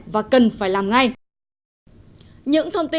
và cần phải làm ngay